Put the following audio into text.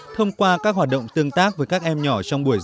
thông qua các hoạt động tương tác với các em nhỏ trong buổi